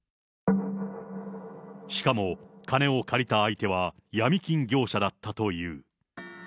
しかも金を借りた相手は闇金業者だったという。